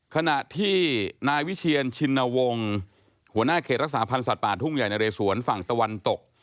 ขณะที่นายวิเชียนชินวงศ์หัวหน้าเขตรักษาพันธ์สัตว์ป่าทุ่งใหญ่นะเรสวนฝั่งตะวันตก